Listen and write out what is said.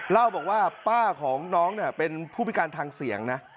เล่าบอกว่าป้าของน้องเนี่ยเป็นผู้พิการทางเสียงนะ